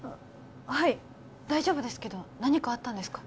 はい大丈夫ですけど何かあったんですか？